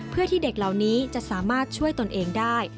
เพื่อที่เด็กเหล่านี้จะสามารถช่วยตนเองได้